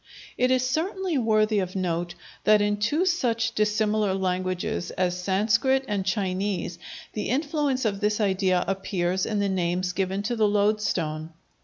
It is certainly worthy of note that in two such dissimilar languages as Sanskrit and Chinese, the influence of this idea appears in the names given to the loadstone.